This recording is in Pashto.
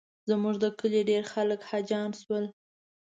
زموږ د کلي ډېر خلک حاجیان شول.